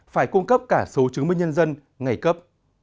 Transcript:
phải cung cấp cả số chứng minh nhân dân ngày cấp